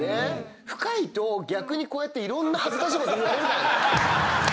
深いと逆にこうやっていろんな恥ずかしいこと言われるからね。